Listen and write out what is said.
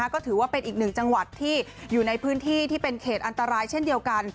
ก็ถือว่าเป็นอีกหนึ่งจังหวัดที่อยู่ในพื้นที่ที่เป็นเขตอันตรายเช่นเดียวกัน